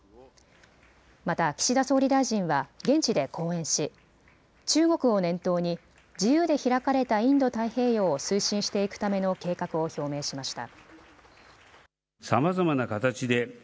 また岸田総理大臣は現地で講演し、中国を念頭に自由で開かれたインド太平洋を推進していくための計画を表明しました。